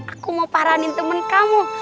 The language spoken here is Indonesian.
aku mau paranin temen kamu